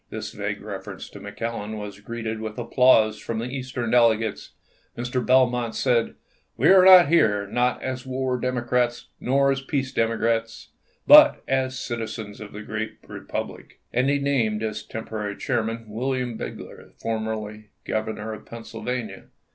This vague ref erence to McClellan was greeted with applause from the Eastern delegates. Mr. Belmont said: ° 1864 " We are here, not as war Democrats nor as peace Democrats, but as citizens of the great Eepublic "; and he named as temporary chairman William Bigler, formerly Governor of Pennsylvania.